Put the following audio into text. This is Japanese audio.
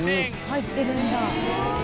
入ってるんだ！